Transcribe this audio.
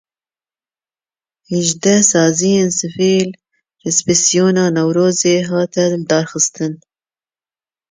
Li Amedê bi hevkariya hejdeh saziyên sivîl resepsiyona Newrozê hat lidarxistin.